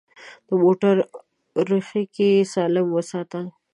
د موټر اورېښکۍ سالم وساته.